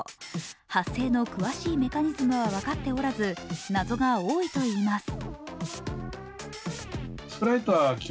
発生の詳しいメカニズムはわかっておらず謎が多いといいます。